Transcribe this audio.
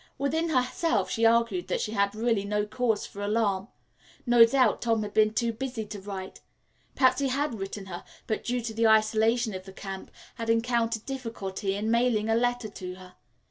Within herself she argued that she had really no cause for alarm. No doubt Tom had been too busy to write. Perhaps he had written her, but, due to the isolation of the camp, had encountered difficulty in mailing a letter to her.